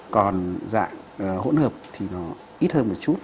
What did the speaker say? còn dạng hỗn hợp thì nó ít hơn một chút